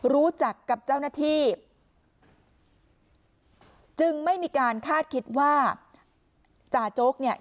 รู้จักกับเจ้าหน้าที่จึงไม่มีการคาดคิดว่าจ่าโจ๊กเนี่ย